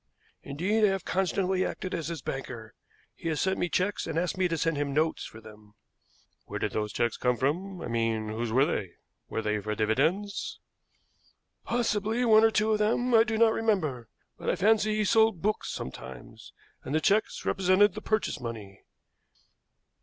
Indeed, I have constantly acted as his banker. He has sent me checks and asked me to send him notes for them." "Where did those checks come from I mean whose were they? Were they for dividends?" "Possibly, one or two of them, I do not remember; but I fancy he sold books sometimes, and the checks represented the purchase money."